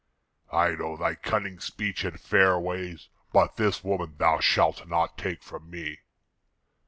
"I know thy cunning speech and fair ways; but this woman thou shalt not take from me."